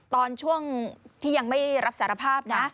ตอนช่วงที่ยังไม่รับสารภาพนะ